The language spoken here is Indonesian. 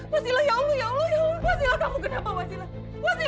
wasila tidak sadarkan diri